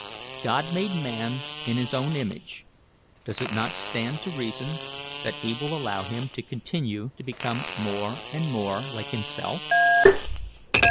God made man in his own image; does it not stand to reason that he will allow him to continue to become more and more like himself?